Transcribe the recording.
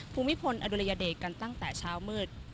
ภูมิพลอดุลยเดชกันตั้งแต่เช้ามืด